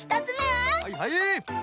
はいはい！